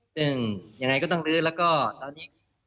ซึ่งยังไงก็ต้องลื้อแล้วก็ตอนนี้